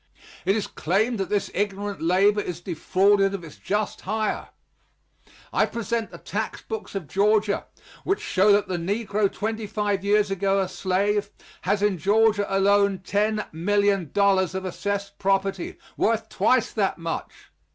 It is claimed that this ignorant labor is defrauded of its just hire, I present the tax books of Georgia, which show that the negro twenty five years ago a slave, has in Georgia alone $10,000,000 of assessed property, worth twice that much.